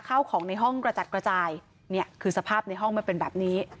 ข้าวของในห้องกระจัดกระจายเนี่ยคือสภาพในห้องมันเป็นแบบนี้